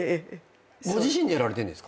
ご自身でやられてるんですか？